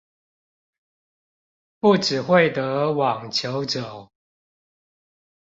不只會得網球肘